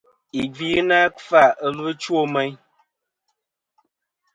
Yì gvi ghɨ na kfa, ɨlvɨ chwo meyn.